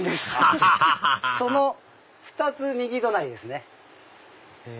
その２つ右隣ですね。